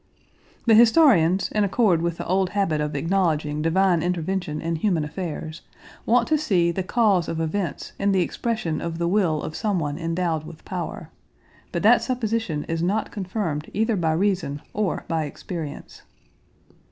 The historians, in accord with the old habit of acknowledging divine intervention in human affairs, want to see the cause of events in the expression of the will of someone endowed with power, but that supposition is not confirmed either by reason or by experience.